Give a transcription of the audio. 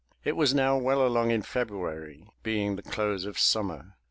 It was now well along in February, being the close of summer.